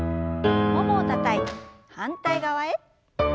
ももをたたいて反対側へ。